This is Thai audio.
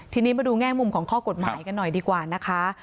ทีนี้มาดูแง่มุมของข้อกฎหมายกันหน่อยดีกว่านะคะ